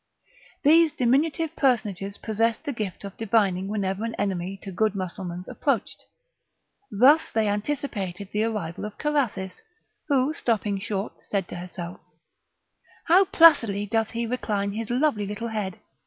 These diminutive personages possessed the gift of divining whenever an enemy to good Mussulmans approached; thus they anticipated the arrival of Carathis, who, stopping short, said to herself: "How placidly doth he recline his lovely little head!